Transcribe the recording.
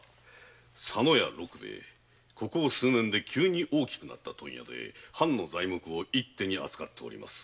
ここ数年で急に大きくなった問屋で藩の材木を一手に扱っております。